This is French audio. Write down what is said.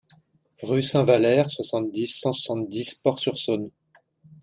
Rue Saint-Valère, soixante-dix, cent soixante-dix Port-sur-Saône